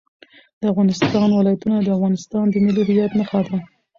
د افغانستان ولايتونه د افغانستان د ملي هویت نښه ده.